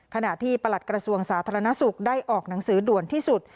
ขณะที่ประหลัดกระทรวงสาธารณสุขได้ออกหนังสือด่วนที่สุด